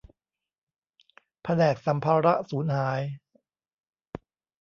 แผนกสัมภาระสูญหาย